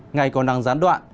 ngày còn đang gián đoạn